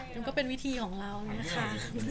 มันก็เป็นวิธีของเรานะคะ